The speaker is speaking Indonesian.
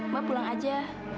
mbak pulang aja